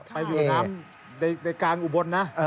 ไปดูน้ำในกลางอุบลนะ